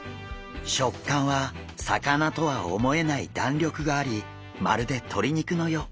食感は魚とは思えないだんりょくがありまるで鶏肉のよう。